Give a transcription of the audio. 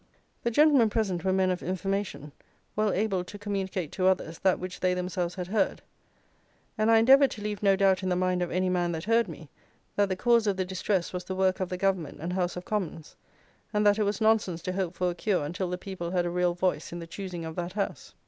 The gentlemen present were men of information, well able to communicate to others that which they themselves had heard; and I endeavoured to leave no doubt in the mind of any man that heard me, that the cause of the distress was the work of the Government and House of Commons, and that it was nonsense to hope for a cure until the people had a real voice in the choosing of that House.